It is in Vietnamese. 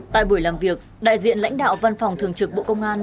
tại buổi làm việc đại diện lãnh đạo văn phòng thường trực bộ công an